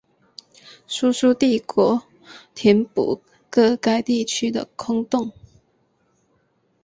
苏苏帝国填补个该地区的空洞。